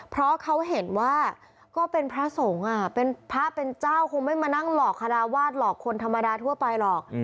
เพราะเขาเห็นว่าก็เป็นพระสงฆ์พระเป็นเจ้าคงไม่มานั่งหลอกคาราวาสหลอกคนธรรมดาทั่วไปหรอก